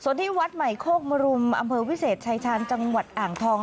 ส่วนที่วัดใหม่โคกมรุมอำเภอวิเศษชายชาญจังหวัดอ่างทอง